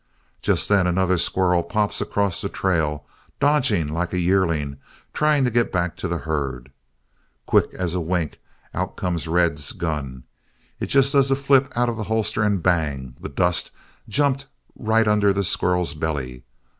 "Just then another squirrel pops across the trail dodging like a yearling trying to get back to the herd. Quick as a wink out comes Red's gun. It just does a flip out of the holster and bang! The dust jumped right under the squirrel's belly.